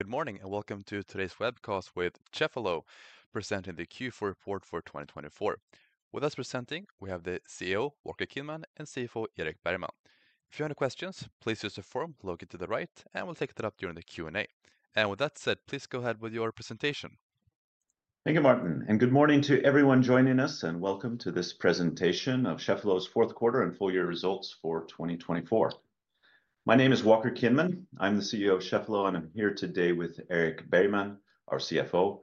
Good morning and welcome to today's webcast with Cheffelo presenting the Q4 report for 2024. With us presenting, we have the CEO, Walker Kinman, and CFO, Erik Bergman. If you have any questions, please use the form located to the right, and we'll take that up during the Q&A. With that said, please go ahead with your presentation. Thank you, Martin, and good morning to everyone joining us, and welcome to this presentation of Cheffelo's fourth quarter and full year results for 2024. My name is Walker Kinman. I'm the CEO of Cheffelo, and I'm here today with Erik Bergman, our CFO.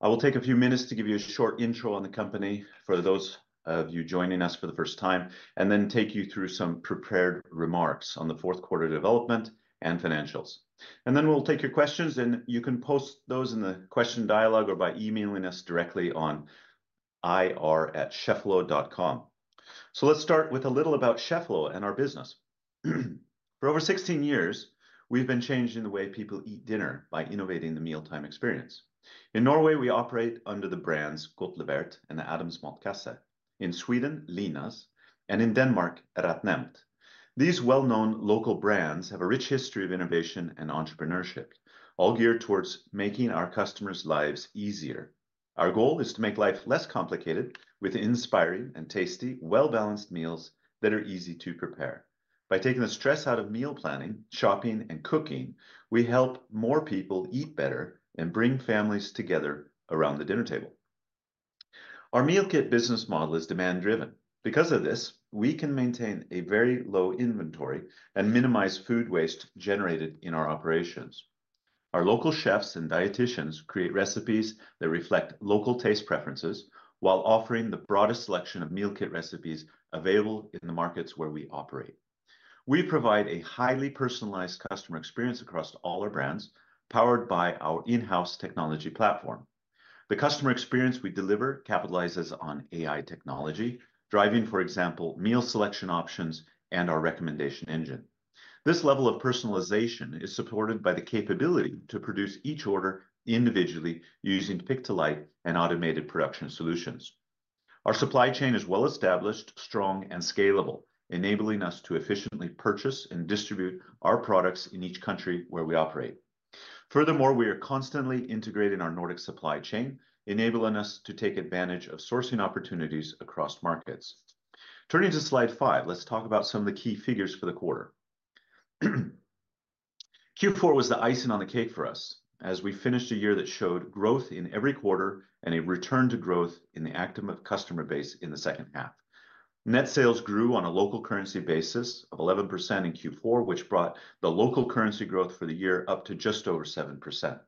I will take a few minutes to give you a short intro on the company for those of you joining us for the first time, and then take you through some prepared remarks on the fourth quarter development and financials. We will take your questions, and you can post those in the question dialogue or by emailing us directly on ir@cheffelo.com. Let's start with a little about Cheffelo and our business. For over 16 years, we've been changing the way people eat dinner by innovating the mealtime experience. In Norway, we operate under the brands Godtlevert and Adams Matkasse. In Sweden, Linas, and in Denmark, RetNemt. These well-known local brands have a rich history of innovation and entrepreneurship, all geared towards making our customers' lives easier. Our goal is to make life less complicated with inspiring and tasty, well-balanced meals that are easy to prepare. By taking the stress out of meal planning, shopping, and cooking, we help more people eat better and bring families together around the dinner table. Our meal kit business model is demand-driven. Because of this, we can maintain a very low inventory and minimize food waste generated in our operations. Our local chefs and dietitians create recipes that reflect local taste preferences while offering the broadest selection of meal kit recipes available in the markets where we operate. We provide a highly personalized customer experience across all our brands, powered by our in-house technology platform. The customer experience we deliver capitalizes on AI technology, driving, for example, meal selection options and our recommendation engine. This level of personalization is supported by the capability to produce each order individually using pick-to-light and automated production solutions. Our supply chain is well-established, strong, and scalable, enabling us to efficiently purchase and distribute our products in each country where we operate. Furthermore, we are constantly integrating our Nordic supply chain, enabling us to take advantage of sourcing opportunities across markets. Turning to slide five, let's talk about some of the key figures for the quarter. Q4 was the icing on the cake for us, as we finished a year that showed growth in every quarter and a return to growth in the active customer base in the second half. Net sales grew on a local currency basis of 11% in Q4, which brought the local currency growth for the year up to just over 7%.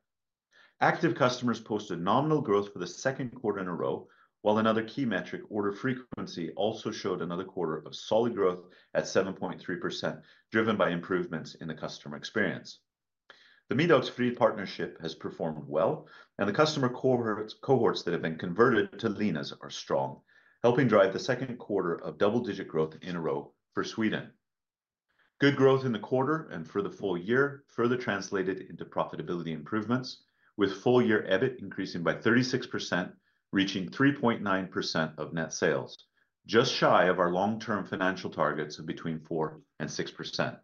Active customers posted nominal growth for the second quarter in a row, while another key metric, order frequency, also showed another quarter of solid growth at 7.3%, driven by improvements in the customer experience. The Middagsfrid partnership has performed well, and the customer cohorts that have been converted to Linas are strong, helping drive the second quarter of double-digit growth in a row for Sweden. Good growth in the quarter and for the full year further translated into profitability improvements, with full year EBIT increasing by 36%, reaching 3.9% of net sales, just shy of our long-term financial targets of between 4% and 6%.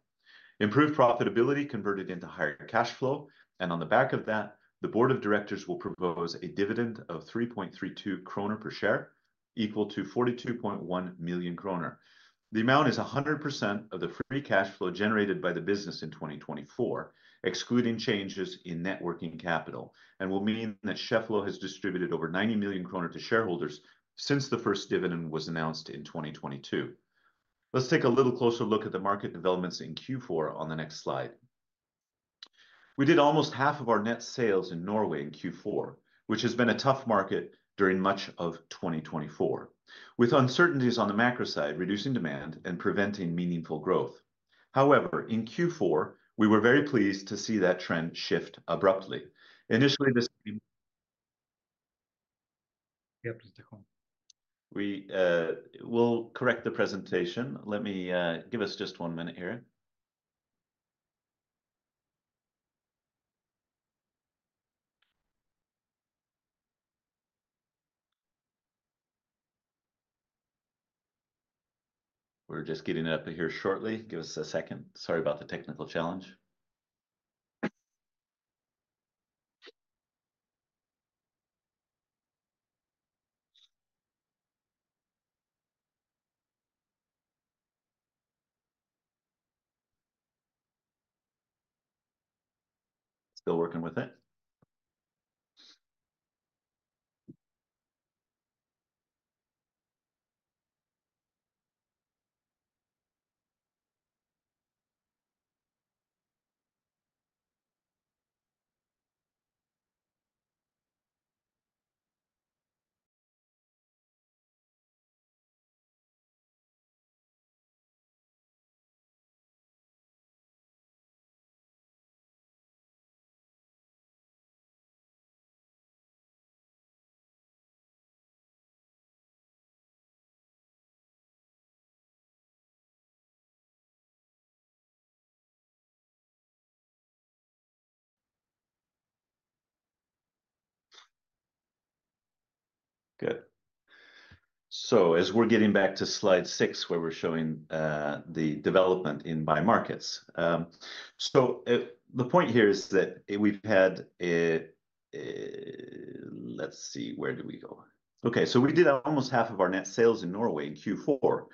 Improved profitability converted into higher cash flow, and on the back of that, the board of directors will propose a dividend of 3.32 kroner per share, equal to 42.1 million kroner. The amount is 100% of the free cash flow generated by the business in 2024, excluding changes in net working capital, and will mean that Cheffelo has distributed over 90 million kroner to shareholders since the first dividend was announced in 2022. Let's take a little closer look at the market developments in Q4 on the next slide. We did almost half of our net sales in Norway in Q4, which has been a tough market during much of 2024, with uncertainties on the macro side reducing demand and preventing meaningful growth. However, in Q4, we were very pleased to see that trend shift abruptly. Initially, this— We will correct the presentation. Let me give us just one minute here. We're just getting it up here shortly. Give us a second. Sorry about the technical challenge. Still working with it. Good. As we're getting back to slide six, where we're showing the development in by markets. The point here is that we've had—let's see, where did we go? Okay, we did almost half of our net sales in Norway in Q4,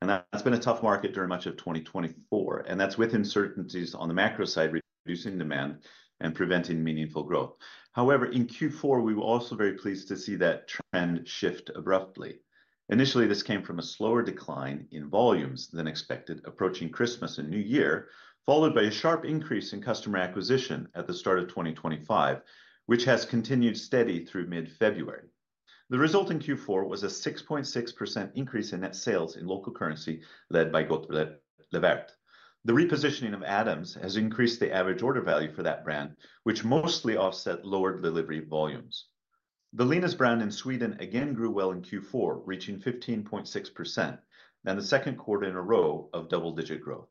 and that's been a tough market during much of 2024, and that's with uncertainties on the macro side, reducing demand and preventing meaningful growth. However, in Q4, we were also very pleased to see that trend shift abruptly. Initially, this came from a slower decline in volumes than expected approaching Christmas and New Year, followed by a sharp increase in customer acquisition at the start of 2025, which has continued steady through mid-February. The result in Q4 was a 6.6% increase in net sales in local currency led by Godtlevert. The repositioning of Adams has increased the average order value for that brand, which mostly offset lower delivery volumes. The Linas brand in Sweden again grew well in Q4, reaching 15.6%, and the second quarter in a row of double-digit growth.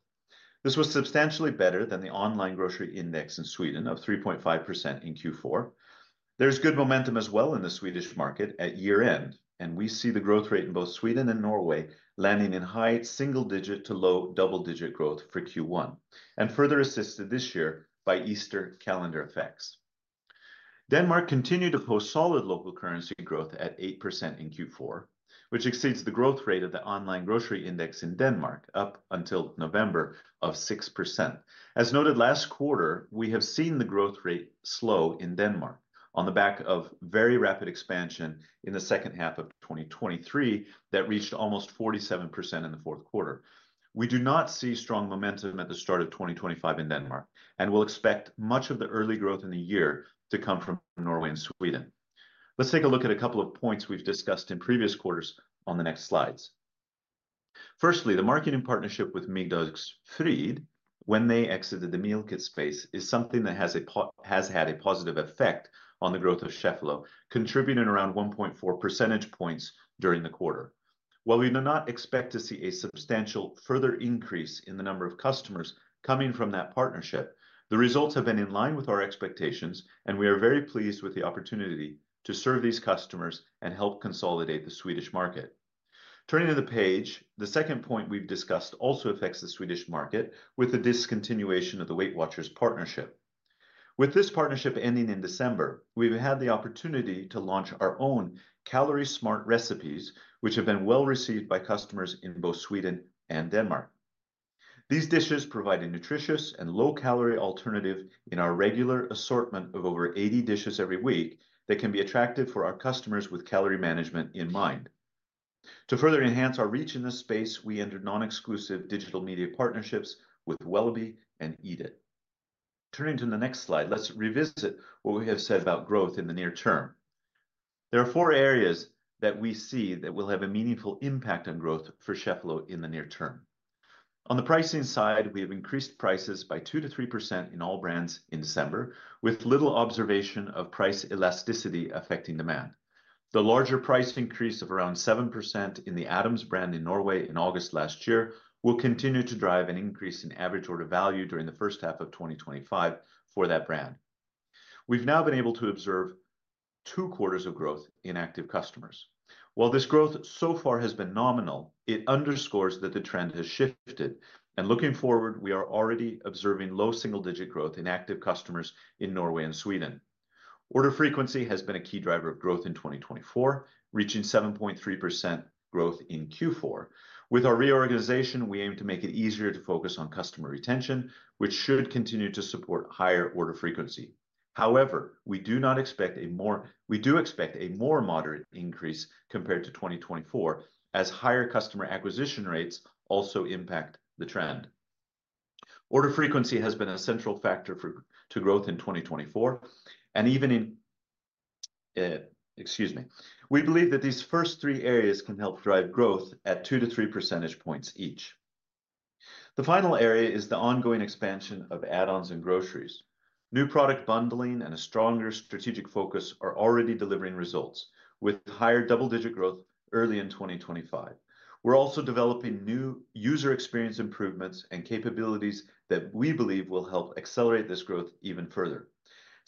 This was substantially better than the online grocery index in Sweden of 3.5% in Q4. There's good momentum as well in the Swedish market at year-end, and we see the growth rate in both Sweden and Norway landing in high single-digit to low double-digit growth for Q1, and further assisted this year by Easter calendar effects. Denmark continued to post solid local currency growth at 8% in Q4, which exceeds the growth rate of the online grocery index in Denmark up until November of 6%. As noted last quarter, we have seen the growth rate slow in Denmark on the back of very rapid expansion in the second half of 2023 that reached almost 47% in the fourth quarter. We do not see strong momentum at the start of 2025 in Denmark, and we'll expect much of the early growth in the year to come from Norway and Sweden. Let's take a look at a couple of points we've discussed in previous quarters on the next slides. Firstly, the marketing partnership with Middagsfrid, when they exited the meal kit space, is something that has had a positive effect on the growth of Cheffelo, contributing around 1.4 percentage points during the quarter. While we do not expect to see a substantial further increase in the number of customers coming from that partnership, the results have been in line with our expectations, and we are very pleased with the opportunity to serve these customers and help consolidate the Swedish market. Turning to the page, the second point we've discussed also affects the Swedish market with the discontinuation of the Weight Watchers partnership. With this partnership ending in December, we've had the opportunity to launch our own calorie-smart recipes, which have been well received by customers in both Sweden and Denmark. These dishes provide a nutritious and low-calorie alternative in our regular assortment of over 80 dishes every week that can be attractive for our customers with calorie management in mind. To further enhance our reach in this space, we entered non-exclusive digital media partnerships with Welby and Eat It. Turning to the next slide, let's revisit what we have said about growth in the near term. There are four areas that we see that will have a meaningful impact on growth for Cheffelo in the near term. On the pricing side, we have increased prices by 2%-3% in all brands in December, with little observation of price elasticity affecting demand. The larger price increase of around 7% in the Adams brand in Norway in August last year will continue to drive an increase in average order value during the first half of 2025 for that brand. We've now been able to observe two quarters of growth in active customers. While this growth so far has been nominal, it underscores that the trend has shifted, and looking forward, we are already observing low single-digit growth in active customers in Norway and Sweden. Order frequency has been a key driver of growth in 2024, reaching 7.3% growth in Q4. With our reorganization, we aim to make it easier to focus on customer retention, which should continue to support higher order frequency. However, we do expect a more moderate increase compared to 2024, as higher customer acquisition rates also impact the trend. Order frequency has been a central factor for growth in 2024, and even in—excuse me. We believe that these first three areas can help drive growth at 2%-3% points each. The final area is the ongoing expansion of add-ons and groceries. New product bundling and a stronger strategic focus are already delivering results, with higher double-digit growth early in 2025. We're also developing new user experience improvements and capabilities that we believe will help accelerate this growth even further.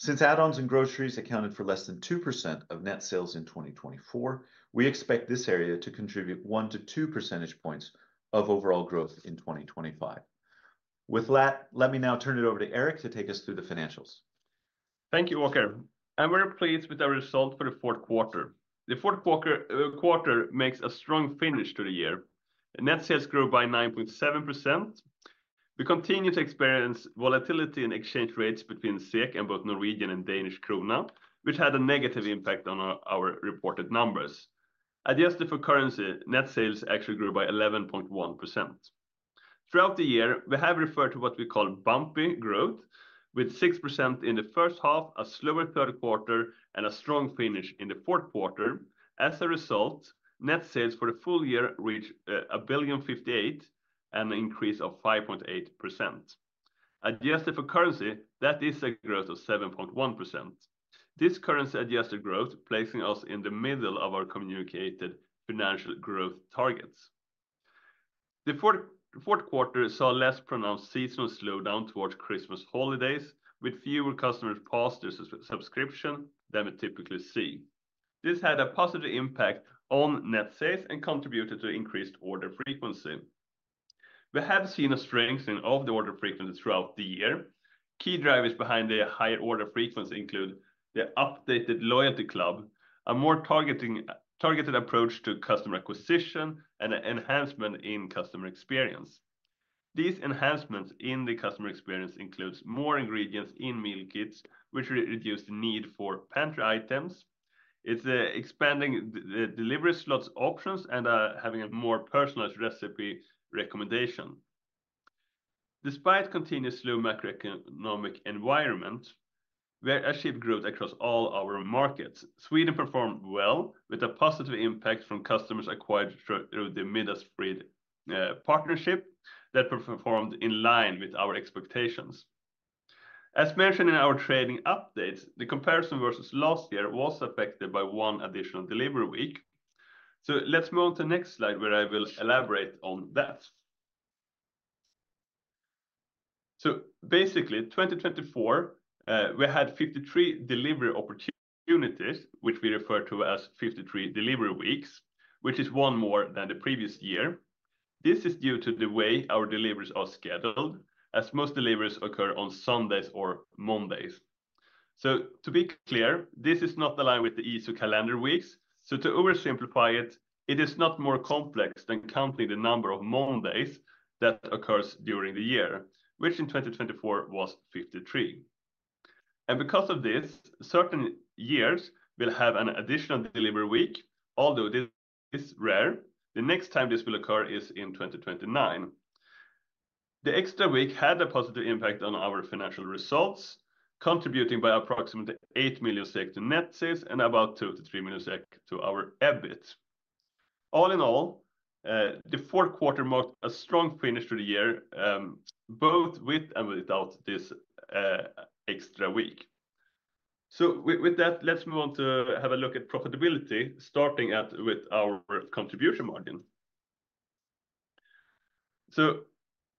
Since add-ons and groceries accounted for less than 2% of net sales in 2024, we expect this area to contribute 1-2 percentage points of overall growth in 2025. With that, let me now turn it over to Erik to take us through the financials. Thank you, Walker. We are pleased with our result for the fourth quarter. The fourth quarter makes a strong finish to the year. Net sales grew by 9.7%. We continue to experience volatility in exchange rates between the SEK and both Norwegian and Danish kroner, which had a negative impact on our reported numbers. Adjusted for currency, net sales actually grew by 11.1%. Throughout the year, we have referred to what we call bumpy growth, with 6% in the first half, a slower third quarter, and a strong finish in the fourth quarter. As a result, net sales for the full year reached 1.58 billion and an increase of 5.8%. Adjusted for currency, that is a growth of 7.1%. This currency adjusted growth places us in the middle of our communicated financial growth targets. The fourth quarter saw less pronounced seasonal slowdown towards Christmas holidays, with fewer customers past their subscription than we typically see. This had a positive impact on net sales and contributed to increased order frequency. We have seen a strengthening of the order frequency throughout the year. Key drivers behind the higher order frequency include the updated loyalty club, a more targeted approach to customer acquisition, and an enhancement in customer experience. These enhancements in the customer experience include more ingredients in meal kits, which reduce the need for pantry items. It is expanding the delivery slots options and having a more personalized recipe recommendation. Despite continuous slow macroeconomic environment, we achieved growth across all our markets. Sweden performed well, with a positive impact from customers acquired through the Middagsfrid partnership that performed in line with our expectations. As mentioned in our trading updates, the comparison versus last year was affected by one additional delivery week. Let's move on to the next slide, where I will elaborate on that. Basically, 2024, we had 53 delivery opportunities, which we refer to as 53 delivery weeks, which is one more than the previous year. This is due to the way our deliveries are scheduled, as most deliveries occur on Sundays or Mondays. To be clear, this is not aligned with the ESO calendar weeks. To oversimplify it, it is not more complex than counting the number of Mondays that occurs during the year, which in 2024 was 53. Because of this, certain years will have an additional delivery week, although this is rare. The next time this will occur is in 2029. The extra week had a positive impact on our financial results, contributing by approximately 8 million SEK to net sales and about 2 million-3 million SEK to our EBIT. All in all, the fourth quarter marked a strong finish to the year, both with and without this extra week. Let's move on to have a look at profitability, starting with our contribution margin.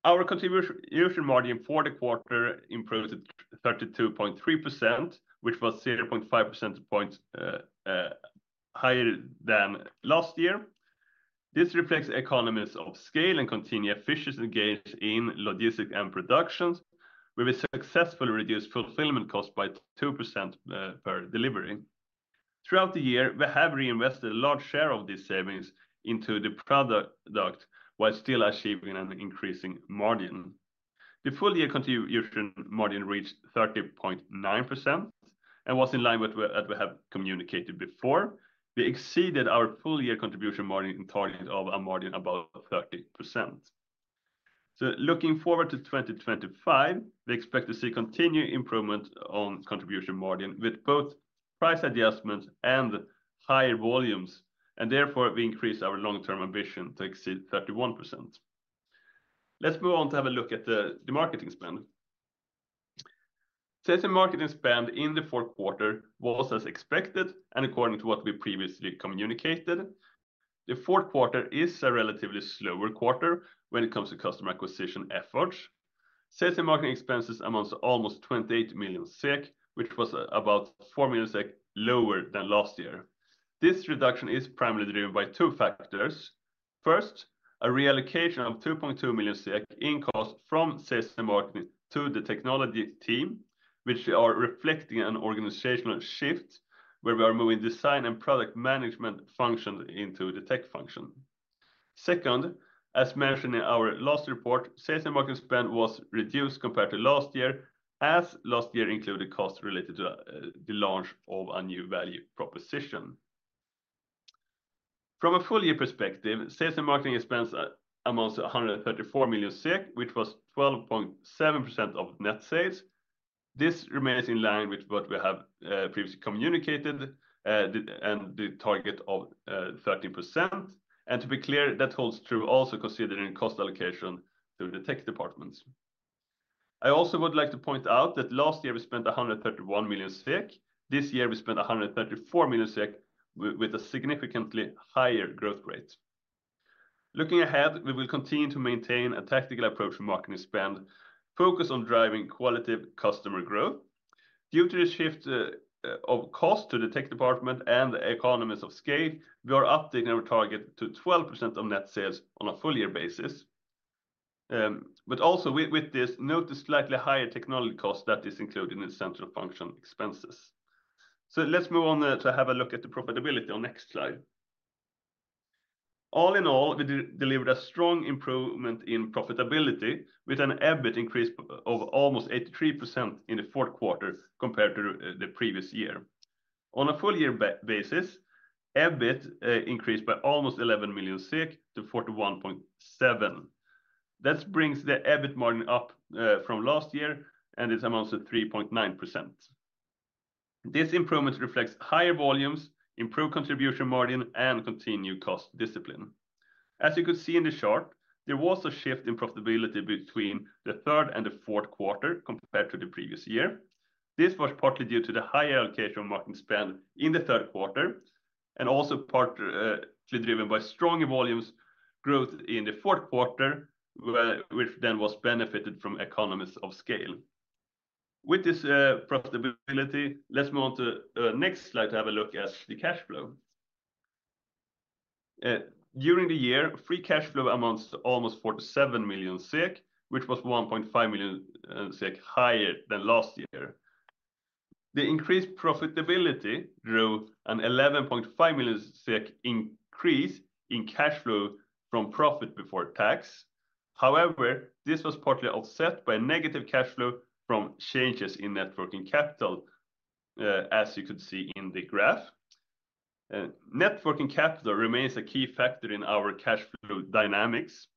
Our contribution margin for the quarter improved to 32.3%, which was 0.5 percentage points higher than last year. This reflects economies of scale and continued efficiency gains in logistics and production, where we successfully reduced fulfillment costs by 2% per delivery. Throughout the year, we have reinvested a large share of these savings into the product while still achieving an increasing margin. The full year contribution margin reached 30.9% and was in line with what we have communicated before. We exceeded our full year contribution margin target of a margin above 30%. Looking forward to 2025, we expect to see continued improvement on contribution margin with both price adjustments and higher volumes, and therefore we increase our long-term ambition to exceed 31%. Let's move on to have a look at the marketing spend. Sales and marketing spend in the fourth quarter was as expected and according to what we previously communicated. The fourth quarter is a relatively slower quarter when it comes to customer acquisition efforts. Sales and marketing expenses amount to almost 28 million SEK, which was about 4 million SEK lower than last year. This reduction is primarily driven by two factors. First, a reallocation of 2.2 million SEK in cost from sales and marketing to the technology team, which are reflecting an organizational shift where we are moving design and product management functions into the tech function. Second, as mentioned in our last report, sales and marketing spend was reduced compared to last year, as last year included costs related to the launch of a new value proposition. From a full year perspective, sales and marketing expenses amount to 134 million SEK, which was 12.7% of net sales. This remains in line with what we have previously communicated and the target of 13%. To be clear, that holds true also considering cost allocation through the tech departments. I also would like to point out that last year we spent 131 million SEK. This year we spent 134 million SEK with a significantly higher growth rate. Looking ahead, we will continue to maintain a tactical approach for marketing spend, focus on driving quality customer growth. Due to the shift of costs to the tech department and the economies of scale, we are updating our target to 12% of net sales on a full year basis. Also with this, note the slightly higher technology costs that are included in the central function expenses. Let's move on to have a look at the profitability on the next slide. All in all, we delivered a strong improvement in profitability with an EBIT increase of almost 83% in the fourth quarter compared to the previous year. On a full year basis, EBIT increased by almost 11 million to 41.7 million. That brings the EBIT margin up from last year and it amounts to 3.9%. This improvement reflects higher volumes, improved contribution margin, and continued cost discipline. As you could see in the chart, there was a shift in profitability between the third and the fourth quarter compared to the previous year. This was partly due to the high allocation of marketing spend in the third quarter and also partly driven by strong volumes growth in the fourth quarter, which then was benefited from economies of scale. With this profitability, let's move on to the next slide to have a look at the cash flow. During the year, free cash flow amounts to almost 47 million, which was 1.5 million higher than last year. The increased profitability drew an 11.5 million SEK increase in cash flow from profit before tax. However, this was partly offset by negative cash flow from changes in networking capital, as you could see in the graph. working capital remains a key factor in our cash flow dynamics.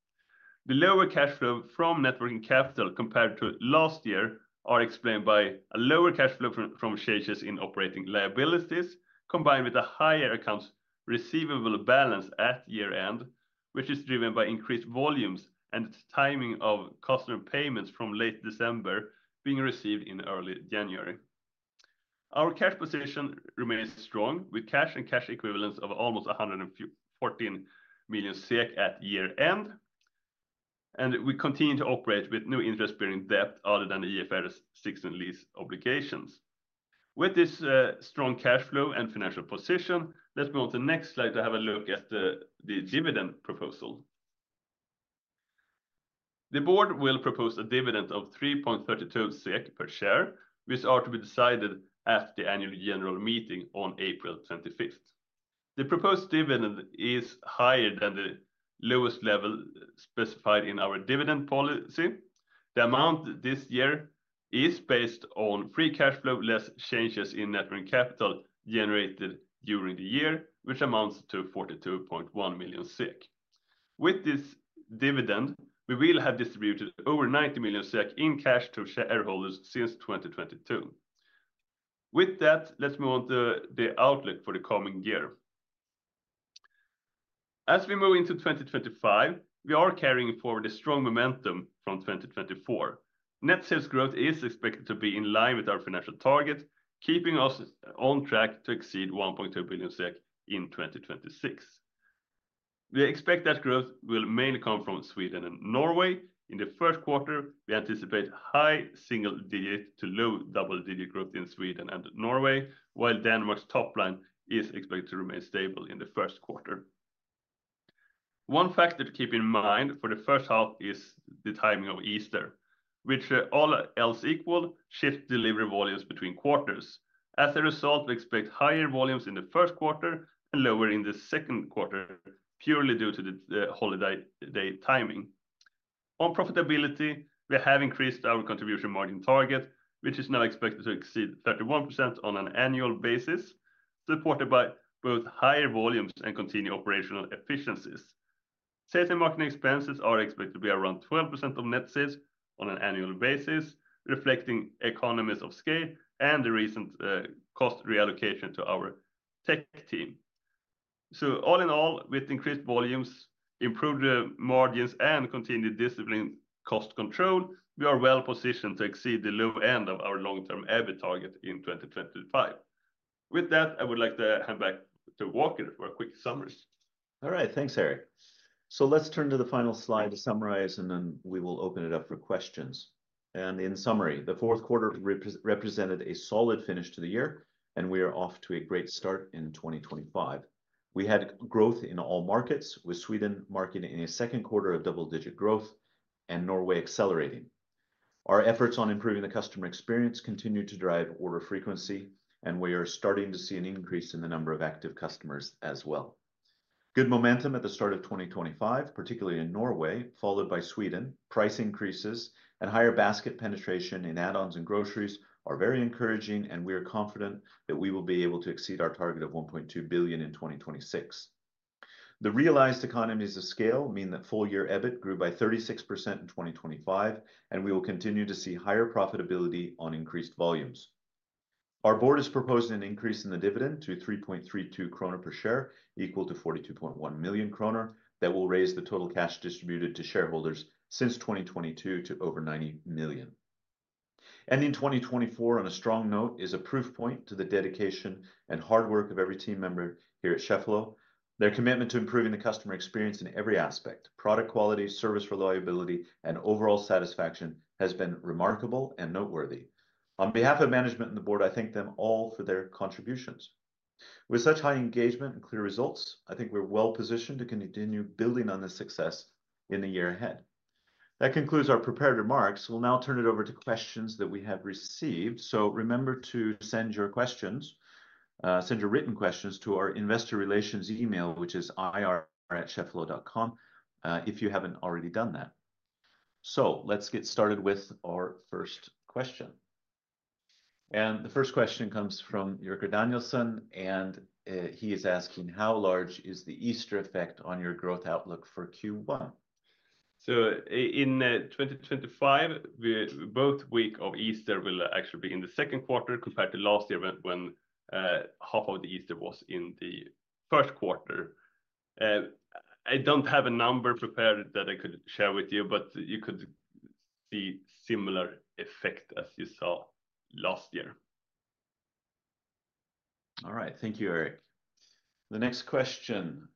The lower cash flow from net working capital compared to last year is explained by a lower cash flow from changes in operating liabilities combined with a higher accounts receivable balance at year-end, which is driven by increased volumes and the timing of customer payments from late December being received in early January. Our cash position remains strong, with cash and cash equivalents of almost 114 million SEK at year-end. We continue to operate with no interest-bearing debt other than IFRS 16 lease obligations. With this strong cash flow and financial position, let's move on to the next slide to have a look at the dividend proposal. The board will propose a dividend of 3.32 SEK per share, which are to be decided at the annual general meeting on April 25th. The proposed dividend is higher than the lowest level specified in our dividend policy. The amount this year is based on free cash flow less changes in networking capital generated during the year, which amounts to 42.1 million SEK. With this dividend, we will have distributed over 90 million SEK in cash to shareholders since 2022. With that, let's move on to the outlook for the coming year. As we move into 2025, we are carrying forward a strong momentum from 2024. Net sales growth is expected to be in line with our financial target, keeping us on track to exceed 1.2 billion SEK in 2026. We expect that growth will mainly come from Sweden and Norway. In the first quarter, we anticipate high single-digit to low double-digit growth in Sweden and Norway, while Denmark's top line is expected to remain stable in the first quarter. One factor to keep in mind for the first half is the time of Easter, which, all else equal, shifts delivery volumes between quarters. As a result, we expect higher volumes in the first quarter and lower in the second quarter, purely due to the holiday day timing. On profitability, we have increased our contribution margin target, which is now expected to exceed 31% on an annual basis, supported by both higher volumes and continued operational efficiencies. Sales and marketing expenses are expected to be around 12% of net sales on an annual basis, reflecting economies of scale and the recent cost reallocation to our tech team. All in all, with increased volumes, improved margins, and continued disciplined cost control, we are well positioned to exceed the low end of our long-term EBIT target in 2025. With that, I would like to hand back to Walker for a quick summary. All right, thanks, Erik. Let's turn to the final slide to summarize, and then we will open it up for questions. In summary, the fourth quarter represented a solid finish to the year, and we are off to a great start in 2025. We had growth in all markets, with Sweden marking a second quarter of double-digit growth and Norway accelerating. Our efforts on improving the customer experience continue to drive order frequency, and we are starting to see an increase in the number of active customers as well. Good momentum at the start of 2025, particularly in Norway, followed by Sweden. Price increases and higher basket penetration in add-ons and groceries are very encouraging, and we are confident that we will be able to exceed our target of 1.2 billion in 2026. The realized economies of scale mean that full year EBIT grew by 36% in 2025, and we will continue to see higher profitability on increased volumes. Our board has proposed an increase in the dividend to 3.32 kroner per share, equal to 42.1 million kroner, that will raise the total cash distributed to shareholders since 2022 to over 90 million. Ending 2024 on a strong note is a proof point to the dedication and hard work of every team member here at Cheffelo. Their commitment to improving the customer experience in every aspect, product quality, service reliability, and overall satisfaction has been remarkable and noteworthy. On behalf of management and the board, I thank them all for their contributions. With such high engagement and clear results, I think we're well positioned to continue building on this success in the year ahead. That concludes our prepared remarks. We'll now turn it over to questions that we have received. Remember to send your questions, send your written questions to our investor relations email, which is ir@cheffelo.com, if you haven't already done that. Let's get started with our first question. The first question comes from [Jörg Danielsen], and he is asking, how large is the Easter effect on your growth outlook for Q1? In 2025, both weeks of Easter will actually be in the second quarter compared to last year when half of the Easter was in the first quarter. I don't have a number prepared that I could share with you, but you could see a similar effect as you saw last year. All right, thank you, Erik. The next question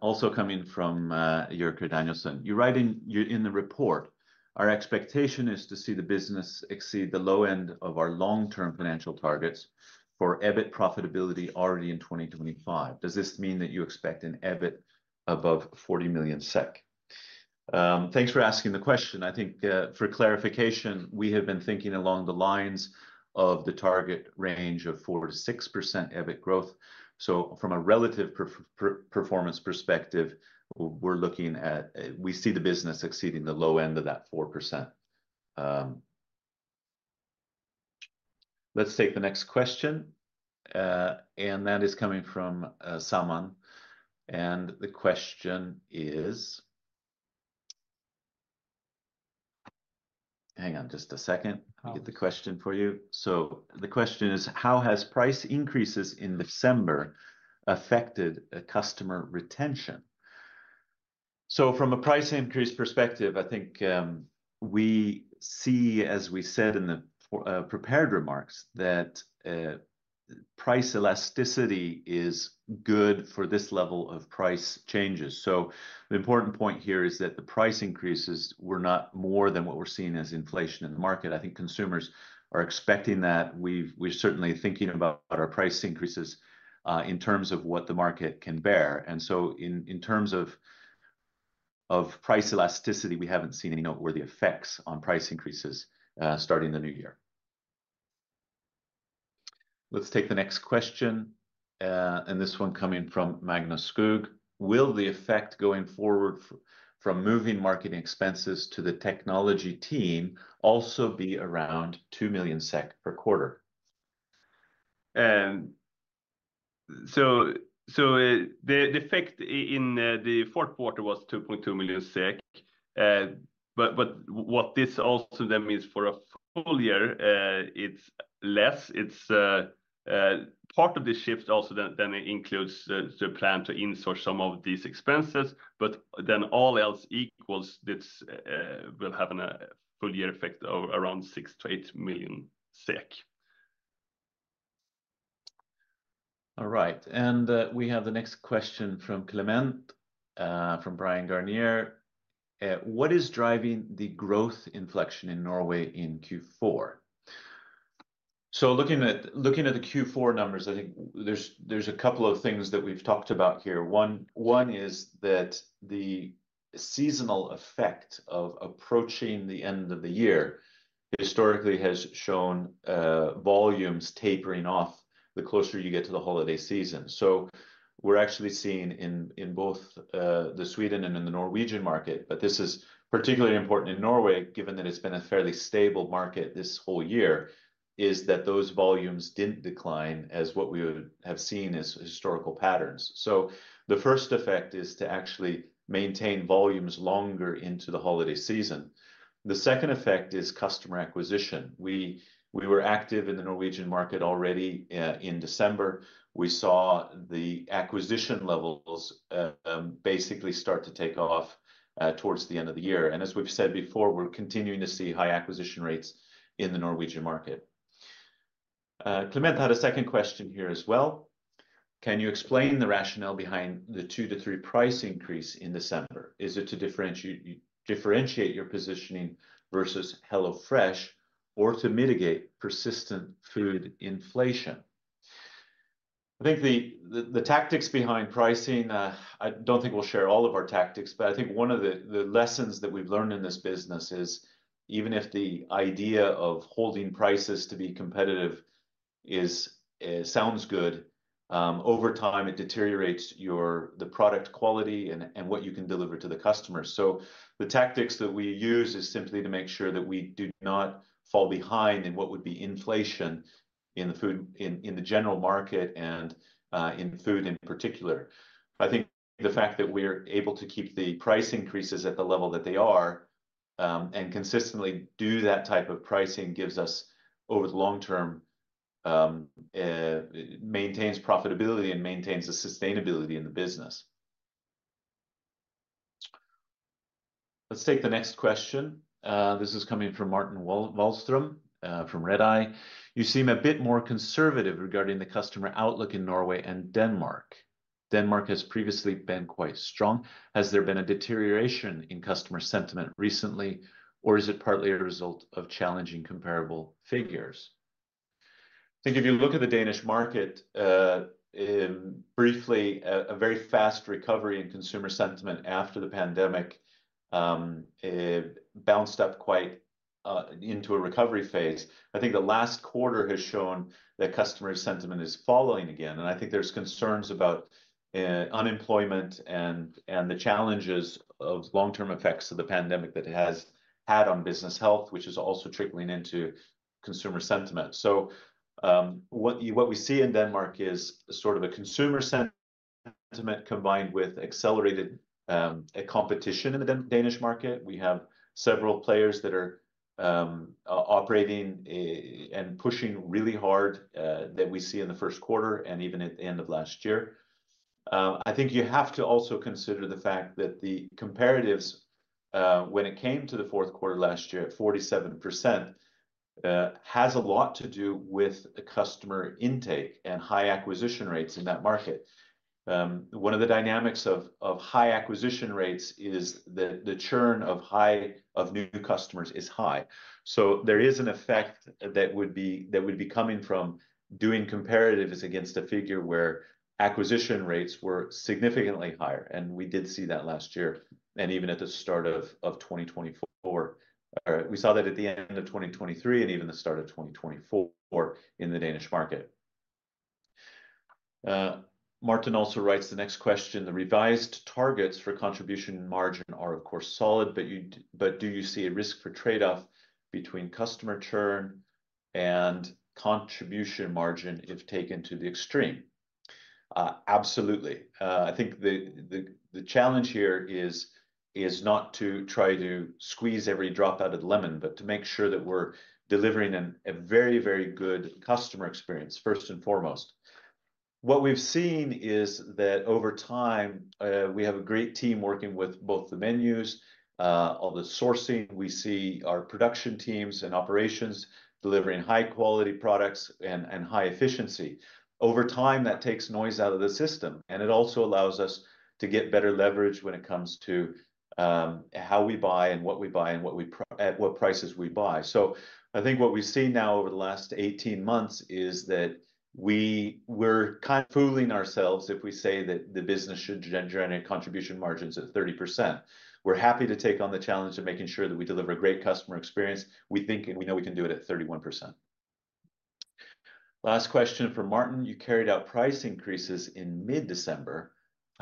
also coming from [Jörg Danielsen]. You write in your report, our expectation is to see the business exceed the low end of our long-term financial targets for EBIT profitability already in 2025. Does this mean that you expect an EBIT above 40 million SEK? Thanks for asking the question. I think for clarification, we have been thinking along the lines of the target range of 4%-6% EBIT growth. From a relative performance perspective, we are looking at, we see the business exceeding the low end of that 4%. Let's take the next question, that is coming from [Saman]. The question is, hang on just a second, I'll get the question for you. The question is, how has price increases in December affected customer retention? From a price increase perspective, I think we see, as we said in the prepared remarks, that price elasticity is good for this level of price changes. The important point here is that the price increases were not more than what we are seeing as inflation in the market. I think consumers are expecting that. We are certainly thinking about our price increases in terms of what the market can bear. In terms of price elasticity, we have not seen any noteworthy effects on price increases starting the new year. Let's take the next question, and this one coming from [Magnus Skog]. Will the effect going forward from moving marketing expenses to the technology team also be around 2 million SEK per quarter? The effect in the fourth quarter was 2.2 million SEK. What this also then means for a full year, it is less. It's part of the shift also then includes the plan to insource some of these expenses. All else equal, this will have a full year effect of around 6 million-8 million SEK. All right. We have the next question from Clément, from Bryan, Garnier. What is driving the growth inflection in Norway in Q4? Looking at the Q4 numbers, I think there are a couple of things that we've talked about here. One is that the seasonal effect of approaching the end of the year historically has shown volumes tapering off the closer you get to the holiday season. We are actually seeing this in both the Sweden and the Norwegian market, but this is particularly important in Norway, given that it's been a fairly stable market this whole year, that those volumes did not decline as we have seen as historical patterns. The first effect is to actually maintain volumes longer into the holiday season. The second effect is customer acquisition. We were active in the Norwegian market already in December. We saw the acquisition levels basically start to take off towards the end of the year. As we've said before, we're continuing to see high acquisition rates in the Norwegian market. Clément had a second question here as well. Can you explain the rationale behind the 2-3% price increase in December? Is it to differentiate your positioning versus HelloFresh or to mitigate persistent food inflation? I think the tactics behind pricing, I don't think we'll share all of our tactics, but I think one of the lessons that we've learned in this business is even if the idea of holding prices to be competitive sounds good, over time it deteriorates the product quality and what you can deliver to the customers. The tactics that we use is simply to make sure that we do not fall behind in what would be inflation in the food, in the general market, and in food in particular. I think the fact that we're able to keep the price increases at the level that they are and consistently do that type of pricing gives us, over the long term, maintains profitability and maintains the sustainability in the business. Let's take the next question. This is coming from Martin Wahlström from Redeye. You seem a bit more conservative regarding the customer outlook in Norway and Denmark. Denmark has previously been quite strong. Has there been a deterioration in customer sentiment recently, or is it partly a result of challenging comparable figures? I think if you look at the Danish market briefly, a very fast recovery in consumer sentiment after the pandemic bounced up quite into a recovery phase. I think the last quarter has shown that customer sentiment is falling again. I think there are concerns about unemployment and the challenges of long-term effects of the pandemic that it has had on business health, which is also trickling into consumer sentiment. What we see in Denmark is sort of a consumer sentiment combined with accelerated competition in the Danish market. We have several players that are operating and pushing really hard that we see in the first quarter and even at the end of last year. I think you have to also consider the fact that the comparatives, when it came to the fourth quarter last year at 47%, has a lot to do with customer intake and high acquisition rates in that market. One of the dynamics of high acquisition rates is that the churn of new customers is high. There is an effect that would be coming from doing comparatives against a figure where acquisition rates were significantly higher. We did see that last year. Even at the start of 2024, we saw that at the end of 2023 and even the start of 2024 in the Danish market. Martin also writes the next question. The revised targets for contribution margin are, of course, solid, but do you see a risk for trade-off between customer churn and contribution margin if taken to the extreme? Absolutely. I think the challenge here is not to try to squeeze every drop out of the lemon, but to make sure that we're delivering a very, very good customer experience, first and foremost. What we've seen is that over time, we have a great team working with both the menus, all the sourcing. We see our production teams and operations delivering high-quality products and high efficiency. Over time, that takes noise out of the system, and it also allows us to get better leverage when it comes to how we buy and what we buy and what prices we buy. I think what we've seen now over the last 18 months is that we're kind of fooling ourselves if we say that the business should generate contribution margins at 30%. We're happy to take on the challenge of making sure that we deliver a great customer experience. We think and we know we can do it at 31%. Last question for Martin. You carried out price increases in mid-December.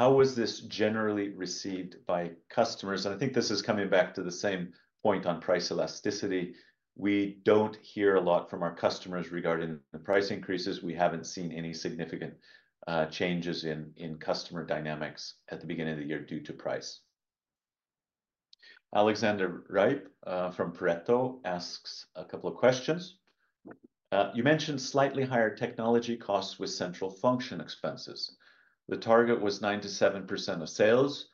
How was this generally received by customers? I think this is coming back to the same point on price elasticity. We don't hear a lot from our customers regarding the price increases. We haven't seen any significant changes in customer dynamics at the beginning of the year due to price. Alexander Ripe from Pareto asks a couple of questions. You mentioned slightly higher technology costs with central function expenses. The target was 9%-7% of sales.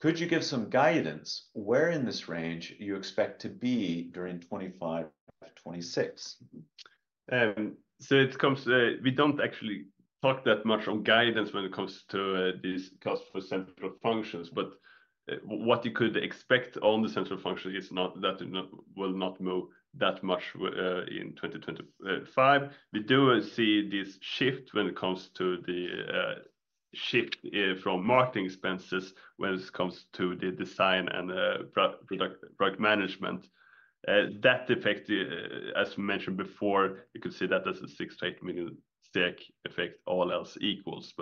Could you give some guidance where in this range you expect to be during 2025-2026? It comes to, we do not actually talk that much on guidance when it comes to these costs for central functions, but what you could expect on the central function is that will not move that much in 2025. We do see this shift when it comes to the shift from marketing expenses when it comes to the design and product management. That effect, as mentioned before, you can see that as a 6 million-8 million effect, all else equals.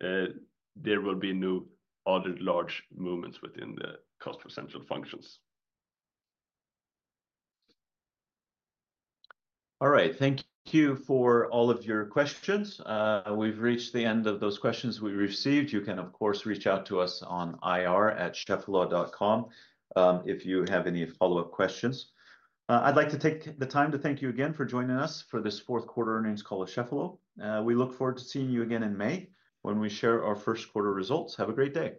There will be no other large movements within the cost for central functions. All right. Thank you for all of your questions. We have reached the end of those questions we received. You can, of course, reach out to us on ir@cheffelo.com if you have any follow-up questions. I'd like to take the time to thank you again for joining us for this fourth quarter earnings call at Cheffelo. We look forward to seeing you again in May when we share our first quarter results. Have a great day.